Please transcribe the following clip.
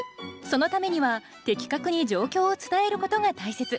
そのためには的確に状況を伝えることが大切。